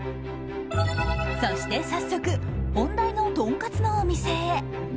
そして早速本題のとんかつのお店へ。